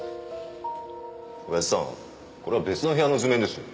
おやじさんこれは別の部屋の図面です。